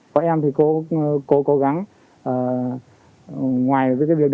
các em thì cố gắng ngoài việc điều trị